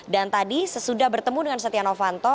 dan tadi sesudah bertemu dengan setia novanto